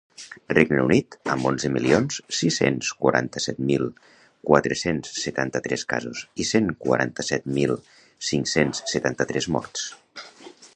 Regne Unit, amb onze milions sis-cents quaranta-set mil quatre-cents setanta-tres casos i cent quaranta-set mil cinc-cents setanta-tres morts.